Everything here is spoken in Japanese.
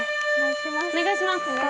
お願いします。